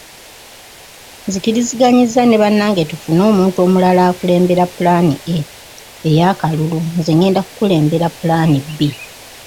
Nzikiriziganyizza ne bannange tufune omuntu omulala akulembera pulaani A ey’akalulu nze ngenda kukulembera pulaani B.